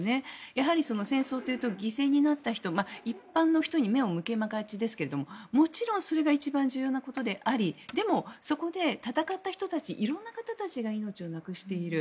やはり戦争というと犠牲になった人一般の人に目を向けがちですけどもちろんそれが一番重要なことでありでもそこで戦った人たち色んな方たちが命をなくしている。